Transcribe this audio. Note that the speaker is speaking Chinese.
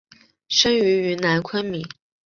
生于云南昆明。